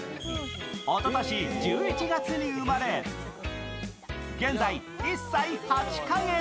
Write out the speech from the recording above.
おととし１１月に生まれ、現在１歳８カ月。